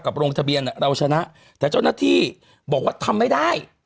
ลงทะเบียนเราชนะแต่เจ้าหน้าที่บอกว่าทำไม่ได้